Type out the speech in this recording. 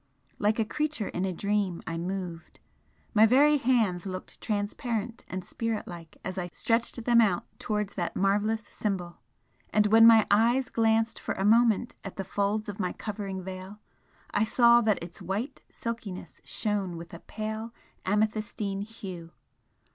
Like a creature in a dream I moved, my very hands looked transparent and spirit like as I stretched them out towards that marvellous Symbol! and when my eyes glanced for a moment at the folds of my covering veil I saw that its white silkiness shone with a pale amethystine hue.